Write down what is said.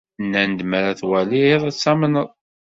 Nnan-d mi ara twalid, ad tamned.